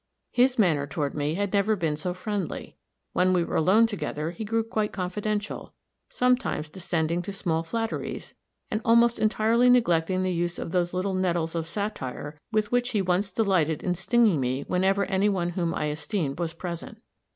His manner toward me had never been so friendly; when we were alone together he grew quite confidential, sometimes descending to small flatteries, and almost entirely neglecting the use of those little nettles of satire with which he once delighted in stinging me whenever any one whom I esteemed was present.